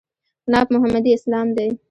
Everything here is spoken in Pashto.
ناب محمدي اسلام دی.